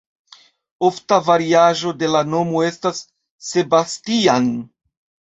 Ofta variaĵo de la nomo estas "Sebastian".